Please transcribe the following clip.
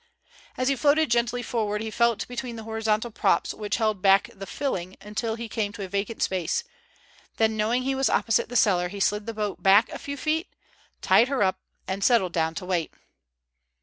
As he floated gently forward he felt between the horizontal props which held back the filling until he came to a vacant space, then knowing he was opposite the cellar, he slid the boat back a few feet, tied her up, and settled down to wait.